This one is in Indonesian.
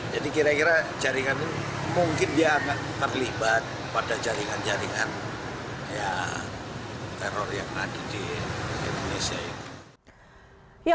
jadi kira kira jaringan ini mungkin dia akan terlibat pada jaringan jaringan teror yang ada di indonesia